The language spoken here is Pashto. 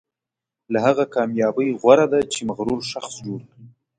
له هغه کامیابۍ غوره ده چې مغرور شخص جوړ کړي.